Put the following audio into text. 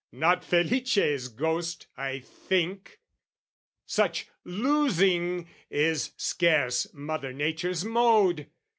Not Felice's ghost, I think! Such "losing" is scarce Mother Nature's mode.